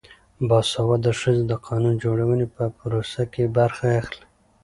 باسواده ښځې د قانون جوړونې په پروسه کې برخه اخلي.